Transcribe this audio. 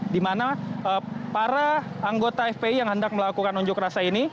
di mana para anggota fpi yang hendak melakukan unjuk rasa ini